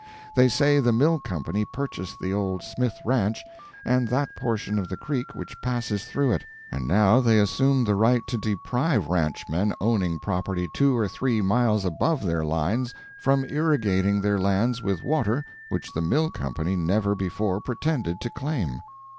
They say the mill company purchased the old Smith ranch and that portion of the creek which passes through it, and now they assume the right to deprive ranchmen owning property two or three miles above their lines from irrigating their lands with water which the mill company never before pretended to claim.